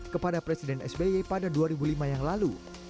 kepada presiden sby pada dua ribu lima yang lalu